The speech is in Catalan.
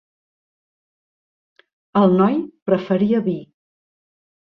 El noi preferia vi.